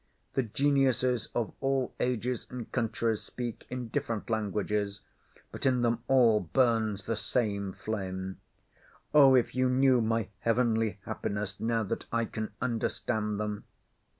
The geniuses of all ages and countries speak in different languages; but in them all burns the same flame. Oh, if you knew my heavenly happiness now that I can understand them!"